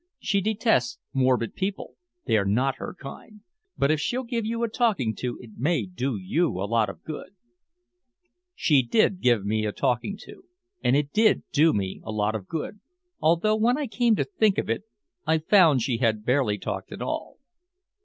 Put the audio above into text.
She detests morbid people, they're not her kind. But if she'll give you a talking to it may do you a lot of good." She did give me a talking to and it did do me a lot of good, although when I came to think of it I found she had barely talked at all.